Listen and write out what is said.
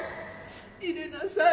入れなさい